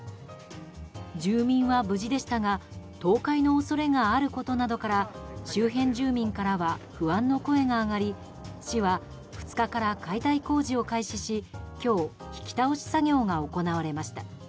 住民は無事でしたが倒壊の恐れがあることなどから周辺住民からは不安の声が上がり市は２日から解体工事を開始し今日、引き倒し作業が行われました。